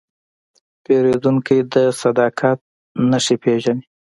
پیرودونکی د صداقت نښې پېژني.